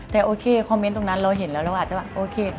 แต่โอเคคอมเมนต์ตรงนั้นเราเห็นแล้วเราอาจจะแบบโอเค